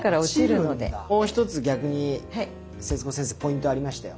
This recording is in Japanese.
もう一つ逆に節子先生ポイントありましたよ。